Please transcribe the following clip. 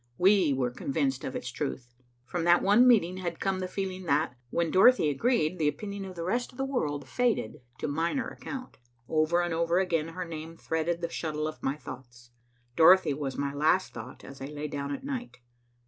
We were convinced of its truth. From that one meeting had come the feeling that, when Dorothy agreed, the opinion of the rest of the world faded to minor account. Over and over again her name threaded the shuttle of my thoughts. Dorothy was my last thought as I lay down at night.